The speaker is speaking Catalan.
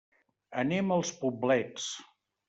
Anem als Poblets.